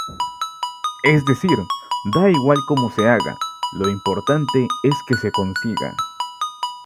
Es decir, da igual cómo se haga, lo importante es que se consiga.